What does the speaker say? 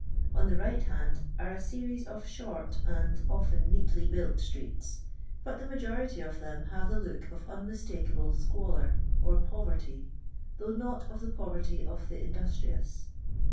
On the right hand are a series of short and often neatly built streets, but the majority of them have the look of unmistakable squalor or poverty, though not of the poverty of the indiH trious.